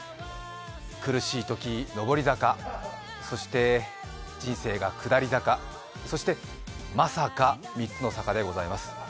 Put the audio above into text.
苦しいとき上り坂、そして人生が下り坂、そしてまさか三つの坂でございます。